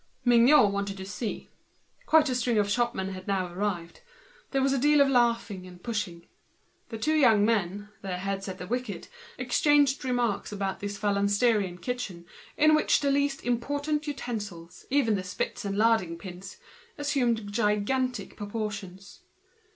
Mignot wanted to see. Quite a string of shopmen had now arrived; there was a good deal of laughing and pushing. The two young men, their heads at the wicket, exchanged their remarks before this phalansterian kitchen, in which the least utensils, even the spits and larding pins, assumed gigantic proportions.